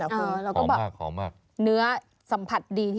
ขอบมากเนื้อสัมผัสดีทีเดียว